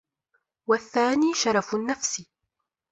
وَالثَّانِي شَرَفُ النَّفْسِ